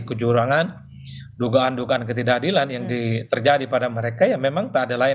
kecurangan dugaan dugaan ketidakadilan yang diterjari pada mereka ya memang tak ada lain